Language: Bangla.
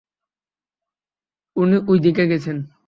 উনি ওইদিকে গেছেন।